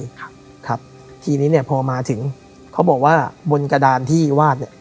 ครับครับทีนี้เนี้ยพอมาถึงเขาบอกว่าบนกระดานที่วาดเนี้ย